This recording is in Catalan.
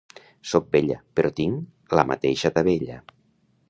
Soc vella, però tinc la mateixa tavella.